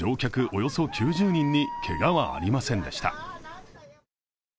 およそ９０人にけがはありませんでした。